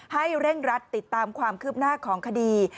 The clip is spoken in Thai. เร่งรัดติดตามความคืบหน้าของคดี